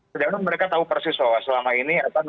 sejauh ini mereka tahu persis bahwa selama ini